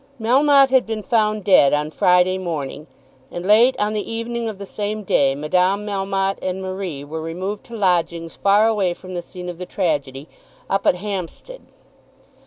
Melmotte had been found dead on Friday morning, and late on the evening of the same day Madame Melmotte and Marie were removed to lodgings far away from the scene of the tragedy, up at Hampstead.